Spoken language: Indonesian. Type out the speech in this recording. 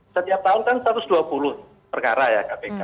setiap tahun kan satu ratus dua puluh perkara ya kpk